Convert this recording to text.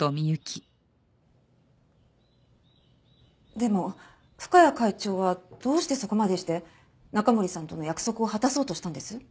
でも深谷会長はどうしてそこまでして中森さんとの約束を果たそうとしたんです？